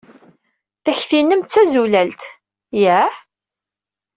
Takti-nnem d tazulalt. Yah?